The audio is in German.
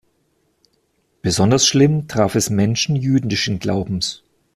Besonders schlimm traf es Menschen jüdischen Glaubens.